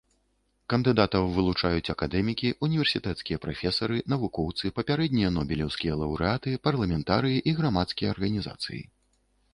Кандыдатаў вылучаюць акадэмікі, універсітэцкія прафесары, навукоўцы, папярэднія нобелеўскія лаўрэаты, парламентарыі і грамадскія арганізацыі.